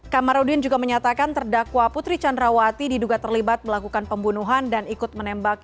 kamarudin juga menyatakan terdakwa putri candrawati diduga terlibat melakukan pembunuhan dan ikut menembak